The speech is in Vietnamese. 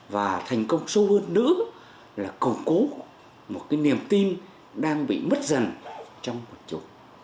và thành công sâu hơn nữa là cổng cố một cái niềm tin đang bị mất dần trong một chỗ